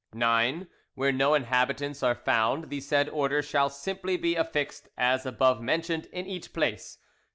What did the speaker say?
"IX. Where no inhabitants are found, the said order shall simply be affixed as above mentioned in each place.